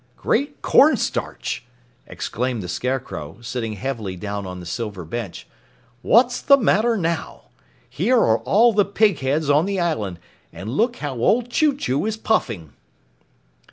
"Great Cornstarch!" exclaimed the Scarecrow, sitting heavily down on the silver bench. "What's the matter now? Here are all the Pig heads on the Island, and look how old Chew Chew is puffing!"